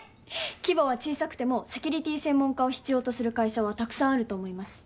規模は小さくてもセキュリティー専門家を必要とする会社はたくさんあると思います